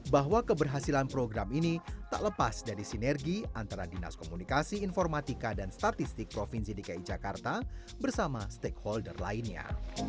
bahwa keberhasilan program ini tak lepas dari sinergi antara dinas komunikasi informatika dan statistik provinsi dki jakarta bersama stakeholder lainnya